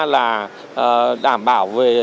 là đảm bảo về